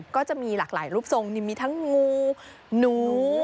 ก็จะมีหลากหลายรูปทรงมีทั้งงูหนู